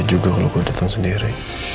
gimana juga kalau gue datang sendiri